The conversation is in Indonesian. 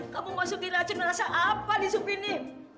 kamu masukin racun rasa apa nih supini